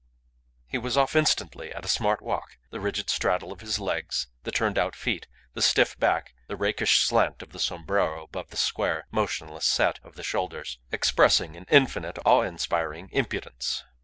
He was off instantly at a smart walk; the rigid straddle of his legs, the turned out feet, the stiff back, the rakish slant of the sombrero above the square, motionless set of the shoulders expressing an infinite, awe inspiring impudence.